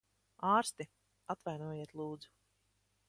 Ārsti! Atvainojiet, lūdzu.